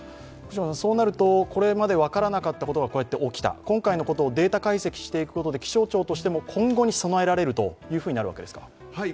そうなると、これまで分からなかったことがこうやって起きた、今回のことをデータ解析していくことで気象庁としても今後に備えられるというふうになるわけですか？